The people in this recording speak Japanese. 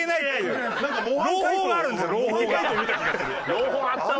朗報あったわ。